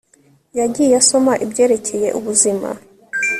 yagiye asoma ibyerekeye ubuzima